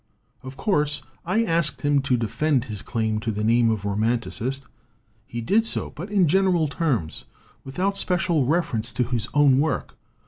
Of course, I asked him to defend his claim to the name of romanticist. He did so, but in gen eral terms, without special reference to his own work.